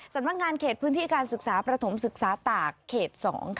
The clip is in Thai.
สำนักงานเขตพื้นที่การศึกษาประถมศึกษาตากเขต๒